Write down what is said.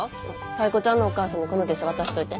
タイ子ちゃんのお母さんにこの月謝渡しといて。